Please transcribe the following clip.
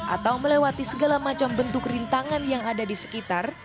atau melewati segala macam bentuk rintangan yang ada di sekitar